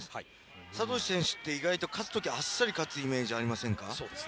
サトシ選手って意外とあっさり勝つイメージありませんか？